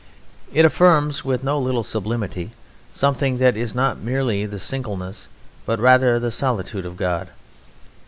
It affirms, with no little sublimity, something that is not merely the singleness but rather the solitude of God.